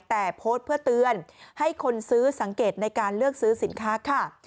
แต่โพสต์เพื่อเตือนให้คนซื้อสังเกตในการเลือกซื้อสินค้าค่ะ